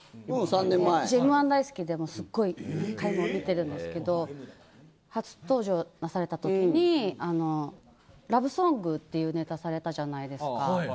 私、Ｍ−１大好きですごい見てるんですけど初登場なされたときにラブソングというネタをされたじゃないですか。